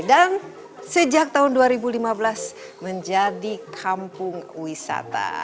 dan sejak tahun dua ribu lima belas menjadi kampung wisata